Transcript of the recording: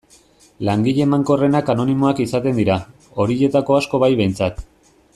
Langile emankorrenak anonimoak izaten dira, horietako asko bai behintzat.